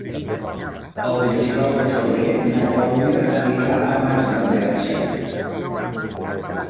El vint-i-nou de febrer na Clàudia anirà a Masdenverge.